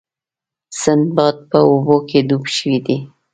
سنباد په اوبو کې ډوب شوی دی.